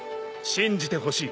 信じてほしい。